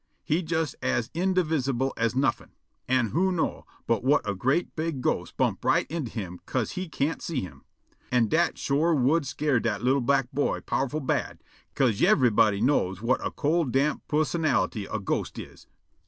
He jes as invidsible as nuffin'. An' who know' but whut a great, big ghost bump right into him 'ca'se it can't see him? An' dat shore w'u'd scare dat li'l' black boy powerful' bad, 'ca'se yever'body knows whut a cold, damp pussonality a ghost is.